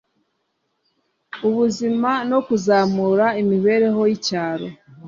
ubuzima no kuzamura imibereho y’icyaro